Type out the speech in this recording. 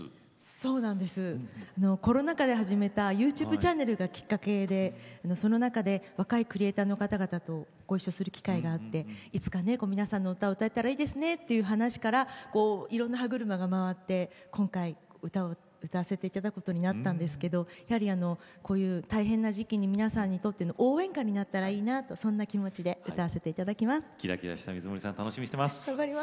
そうなんですコロナ禍で始めたＹｏｕＴｕｂｅチャンネルがきっかけでその中で若いクリエーターの方々とごいっしょする機会があっていつか皆さんの歌を歌えたらいいですねという話からいろんな歯車が回って今回、歌を歌わせていただくことになったんです。この大変な時期に皆さんにとっての応援歌になったらいいなという気持ちで歌わせていただきます。